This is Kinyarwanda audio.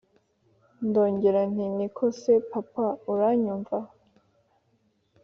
ndongera nti: niko se papa! uranyumva!?